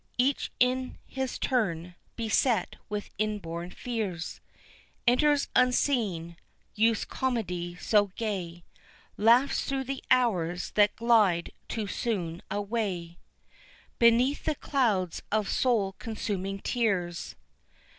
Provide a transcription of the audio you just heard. Each in his turn, beset with inborn fears, Enters unseen, youth's comedy so gay, Laughs through the hours that glide too soon away Beneath the clouds of soul consuming tears.